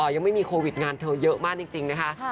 ยังไม่มีโควิดงานเธอเยอะมากจริงนะคะ